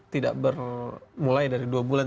tidak bermula dari dua bulan